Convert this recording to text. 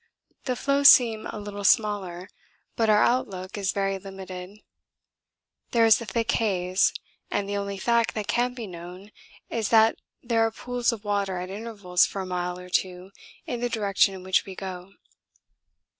The floes seem a little smaller, but our outlook is very limited; there is a thick haze, and the only fact that can be known is that there are pools of water at intervals for a mile or two in the direction in which we go.